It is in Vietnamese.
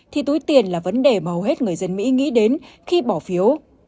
thì túi tiền là vấn đề mà hầu hết người dân mỹ nghĩ đến khi bỏ phiếu